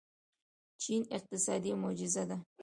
چین اقتصادي معجزه ده.